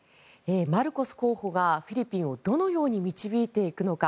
マルコス候補がフィリピンをどのように導いていくのか